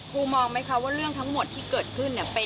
ครูมองไหมคะว่าเรื่องทั้งหมดที่เกิดขึ้นเนี่ย